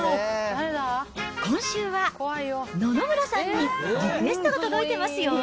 今週は、野々村さんにリクエストが届いてますよ。